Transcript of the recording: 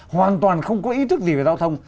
hoàn toàn không có ý thức gì về giao thông